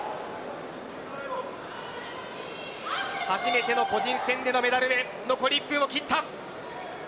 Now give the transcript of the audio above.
初めての個人戦でのメダルへ残り１分を切った。